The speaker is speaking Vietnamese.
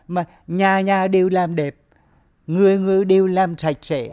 mà nhà nhà đều làm đẹp người người đều làm sạch sẽ